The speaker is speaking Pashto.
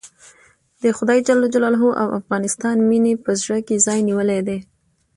د خدای او افغانستان مينې په زړه کې ځای نيولی دی.